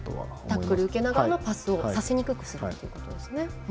タックルを受けながらのパスをさせにくくするということですね。